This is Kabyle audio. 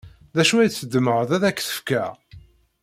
D acu ay tḍemɛed ad ak-t-fkeɣ?